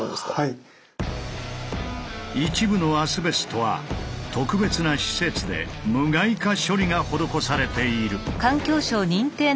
一部のアスベストは特別な施設で「無害化処理」が施されている。